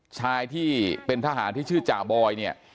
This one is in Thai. ชายที่เป็นทหารที่ชื่อจ่าบอยเนี่ย